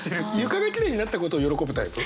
床がきれいになったことを喜ぶタイプ？